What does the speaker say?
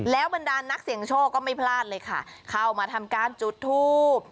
บรรดานนักเสี่ยงโชคก็ไม่พลาดเลยค่ะเข้ามาทำการจุดทูบ